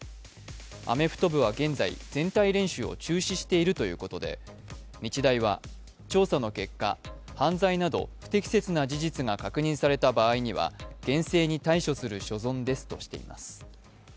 アメフト部は現在、全体練習を中止しているということで日大は調査の結果、犯罪など不適切な事実が確認された場合には厳正に対処する所存ですとしています。